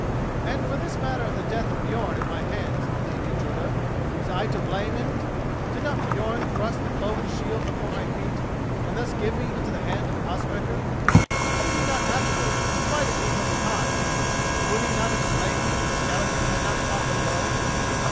"And for this matter of the death of Björn at my hands, think, Gudruda: was I to blame in it? Did not Björn thrust the cloven shield before my feet, and thus give me into the hand of Ospakar? Did he not afterwards smite at me from behind, and would he not have slain me if Skallagrim had not caught the blow?